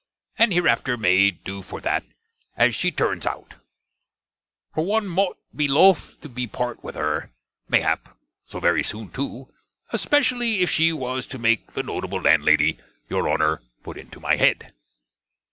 And hereafter may do for that, as she turnes out: for one mought be loth to part with her, mayhap, so verry soon too; espessially if she was to make the notable landlady your Honner put into my head.